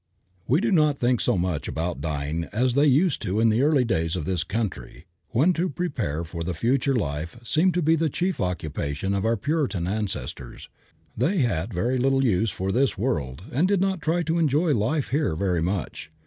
We do not think so much about dying as they used to in the early days of this country, when to prepare for the future life seemed to be the chief occupation of our Puritan ancestors. They had very little use for this world and did not try to enjoy life here very much.